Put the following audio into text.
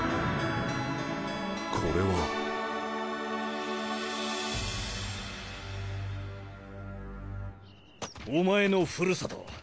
これはお前のふるさと